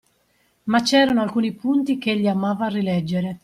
Ma c’erano alcuni punti ch’egli amava rileggere